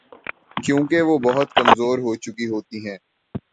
کیونکہ وہ بہت کمزور ہو چکی ہوتی ہیں